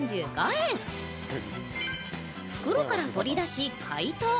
袋から取りだし、解凍。